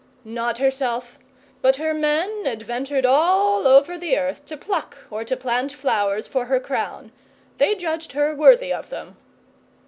'Not herself but her men adventured all over the earth to pluck or to plant flowers for her crown. They judged her worthy of them.